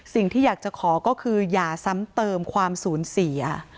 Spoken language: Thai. สิ่งที่อยากจะขอก็คืออย่าซ้ำเติมความสูญเสีย